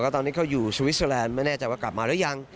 ตอนนี้เขาอยู่สวิสเตอร์แลนด์ไม่แน่ใจว่ากลับมาหรือยัง